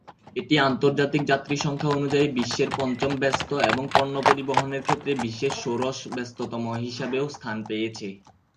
এটি আন্তর্জাতিক যাত্রী সংখ্যা অনুযায়ী বিশ্বের পঞ্চম ব্যস্ত এবং পণ্য পরিবহনের ক্ষেত্রে বিশ্বের ষোড়শ ব্যস্ততম হিসাবেও স্থান পেয়েছে।